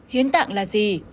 hiến tạng là gì